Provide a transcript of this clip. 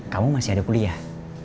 kamu masih ada kuliah